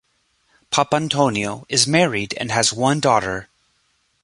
Papantonio is married and has one daughter.